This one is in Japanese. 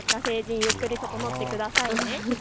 ゆっくり整ってくださいね。